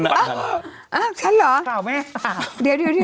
อ่าฉันเหรอ